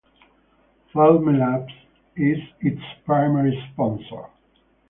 Fermilab is its primary sponsor.